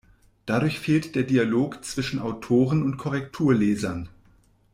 Dadurch fehlt der Dialog zwischen Autoren und Korrekturlesern.